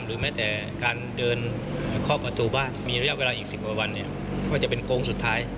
หรือแม้แต่การเดินครอบอัตรูบ้านมีระยะเวลาอีก๑๐ประวันก็จะเป็นโค้งสุดท้าย